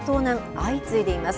相次いでいます。